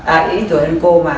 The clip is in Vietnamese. ây ít tuổi hơn cô mà